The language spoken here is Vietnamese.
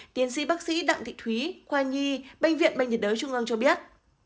tiến sĩ bác sĩ đặng thị thúy khoa nhi bệnh viện bệnh nhiệt đới trung ương cho biết